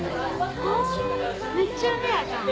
あめっちゃレアじゃん。